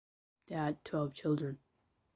They had twelve children.